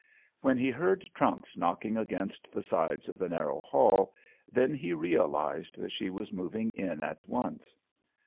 When he heard trunks knocking against the sides of the narrow hall, then he realized that she was moving in at once.